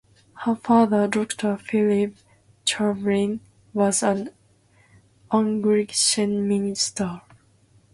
Her father, Doctor Phillip Chamberlaine, was an Anglican minister.